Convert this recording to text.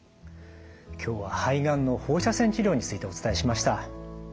今日は肺がんの放射線治療についてお伝えしました。